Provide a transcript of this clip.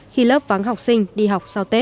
khi lớp vắng học sinh đi học sau tết